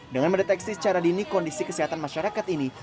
dengan mendeteksi secara dini kondisi kesehatan masyarakat ini